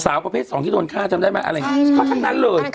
สาวประเภท๒ที่โดนฆ่าจำได้ไหมอะไรอย่างนี้ก็ทั้งนั้นเลยใช่ค่ะ